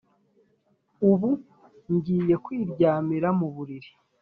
Ubu ngiye kwiryamira mu buriri